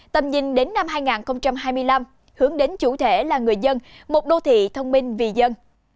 tầm nhìn đến năm hai nghìn hai mươi năm hướng đến chủ thể là người dân một đô thị thông minh vì dân